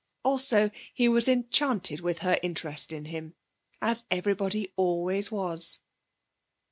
Also he was enchanted with her interest in him, as everybody always was.